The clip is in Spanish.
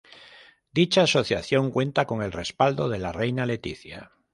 Dicha asociación cuenta con el respaldo de la Reina Letizia.